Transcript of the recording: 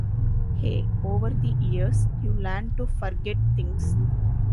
Hey, over the years, you learn to forget things.